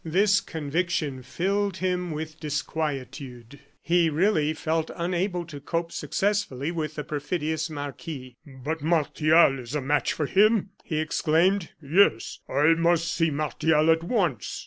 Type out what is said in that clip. This conviction filled him with disquietude. He really felt unable to cope successfully with the perfidious marquis. "But Martial is a match for him!" he exclaimed. "Yes, I must see Martial at once."